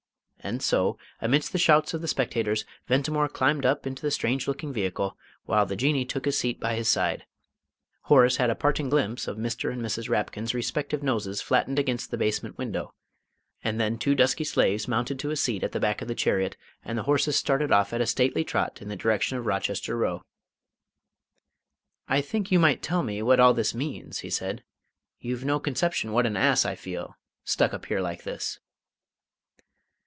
And so, amidst the shouts of the spectators, Ventimore climbed up into the strange looking vehicle, while the Jinnee took his seat by his side. Horace had a parting glimpse of Mr. and Mrs. Rapkin's respective noses flattened against the basement window, and then two dusky slaves mounted to a seat at the back of the chariot, and the horses started off at a stately trot in the direction of Rochester Row. "I think you might tell me what all this means," he said. "You've no conception what an ass I feel, stuck up here like this!"